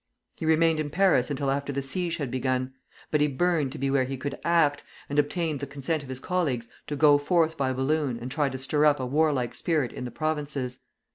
He remained in Paris until after the siege had begun; but he burned to be where he could act, and obtained the consent of his colleagues to go forth by balloon and try to stir up a warlike spirit in the Provinces.